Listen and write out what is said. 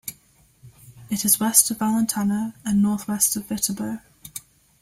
It is west of Valentano and northwest of Viterbo.